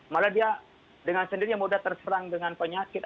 malah dia dengan sendirinya sudah terserang dengan penyakit